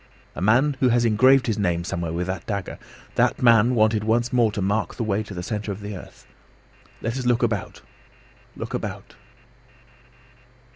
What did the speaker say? "A man who has engraved his name somewhere with that dagger. That man wanted once more to mark the way to the centre of the earth. Let us look about: look about!"